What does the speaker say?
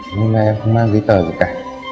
anh em không mang cái tờ gì cả